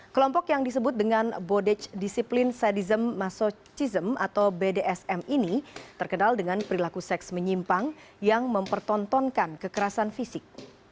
kelompok yang disebut dengan bodej disiplin sadism masochism atau bdsm ini terkenal dengan perilaku seks menyimpang yang mempertontonkan kekerasan fisik